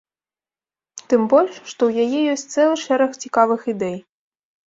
Тым больш што ў яе ёсць цэлы шэраг цікавых ідэй.